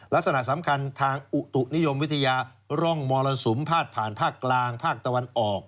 ลักษณะสำคัญทางอุตุนิยมวิทยาร่องมรสุมพาดผ่านภาคกลางภาคตะวันออก